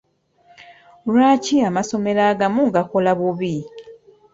Lwaki amasomero agamu gakola bubi?